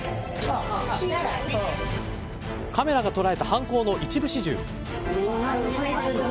カメラが捉えた犯行の一部始終。